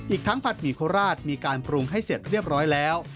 อีกทั้งผัดหมี่โคราชมีการปรุงให้เสร็จเรียบร้อยแล้ว